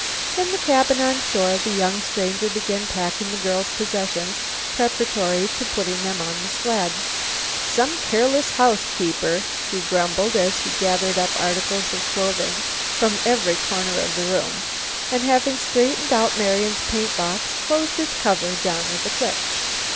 In the cabin on shore, the young stranger began packing the girl's possessions preparatory to putting them on the sled. "Some careless housekeeper!" he grumbled as he gathered up articles of clothing from every corner of the room, and, having straightened out Marian's paint box, closed its cover down with a click.